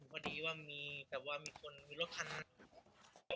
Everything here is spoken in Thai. พอดีว่ามีแบบว่ามีคนมีรถคันหนึ่ง